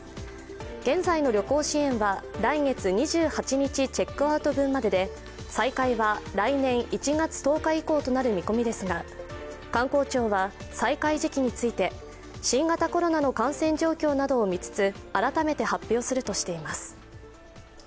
現在の旅行支援は来月２８日チェックアウト分までで再開は来年１月１０日以降となる見込みですが、観光庁は再開時期について、新型コロナの感染状況などを見つつ改めて発表するとしています。